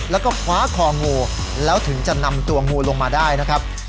แล้วก็คว้าคองูแล้วถึงจะนำตัวงูลงมาได้นะครับ